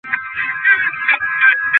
আরে, কি বলছো?